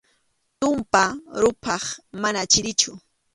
Tumpa ruphaq mana chirichu.